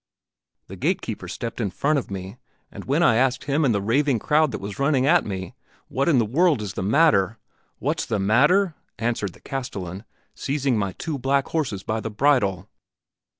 The gate keeper stepped in front of me, and when I asked him and the raving crowd that was running at me, 'What in the world is the matter?' 'What's the matter!' answered the castellan, seizing my two black horses by the bridle.